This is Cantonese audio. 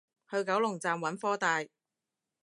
去九龍站揾科大